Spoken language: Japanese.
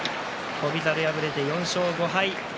翔猿、敗れて４勝５敗。